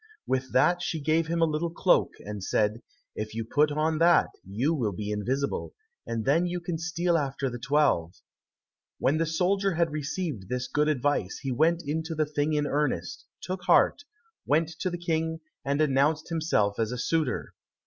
With that she gave him a little cloak, and said, "If you put on that, you will be invisible, and then you can steal after the twelve." When the soldier had received this good advice, he went into the thing in earnest, took heart, went to the King, and announced himself as a suitor.